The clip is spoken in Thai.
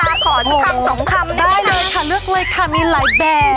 ขอ๑คำ๒คำนิดหนึ่งค่ะโหได้เลยค่ะเลือกเลยค่ะมีหลายแบบ